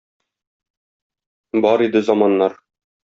Бар иде заманнар.